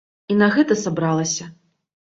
І на гэта сабралася.